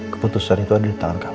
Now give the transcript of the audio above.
keputusan itu ada di tangan kami